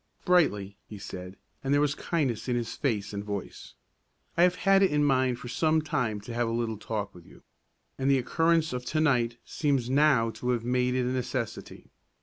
"Brightly," he said, and there was kindness in his face and voice, "I have had it in mind for some time to have a little talk with you, and the occurrence of to night seems now to have made it a necessity.